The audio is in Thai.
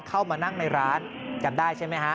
เข้ามานั่งในร้านจำได้ใช่ไหมฮะ